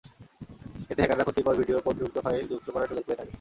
এতে হ্যাকাররা ক্ষতিকর video কোডযুক্ত file যুক্ত করার সুযোগ পেয়ে থাকে।